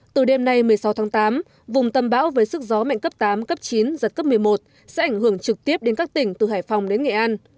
từ đêm nay một mươi sáu tháng tám vùng tâm bão với sức gió mạnh cấp tám cấp chín giật cấp một mươi một sẽ ảnh hưởng trực tiếp đến các tỉnh từ hải phòng đến nghệ an